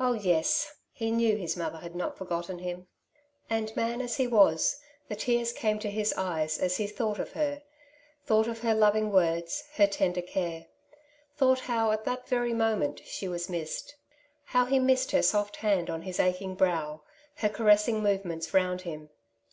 Oh yes! he knew his mother had not forgotten him ; and, man as he was, the tears came to his eyes as he thought of her ; thought of her loving words, her tender care ; thought how at that very moment she was missed ; how he missed her soft hand on his aching brow, her caressing movements round him.